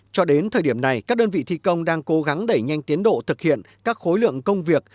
cho đến thời điểm này các đơn vị thi công đang cố gắng đẩy nhanh tiến độ thực hiện các khối lượng công việc